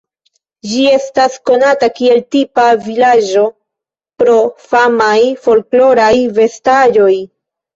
Ĝi estas konata kiel tipa vilaĝo pro famaj folkloraj vestaĵoj.